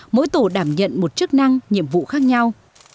mỗi tổ đảm nhận một chức năng nhiệm vụ khác nhau